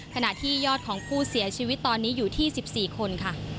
ขณะที่ยอดของผู้เสียชีวิตตอนนี้อยู่ที่๑๔คนค่ะ